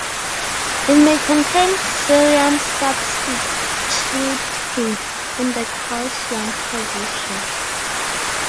It may contain cerium substituting in the calcium position.